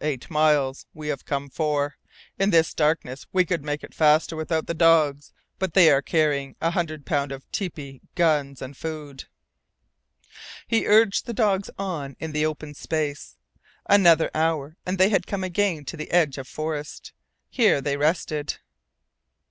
"Eight miles. We have come four. In this darkness we could make it faster without the dogs, but they are carrying a hundred pounds of tepee, guns, and food." He urged the dogs on in the open space. Another hour and they had come again to the edge of forest. Here they rested.